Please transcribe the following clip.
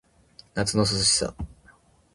夏の淋しさ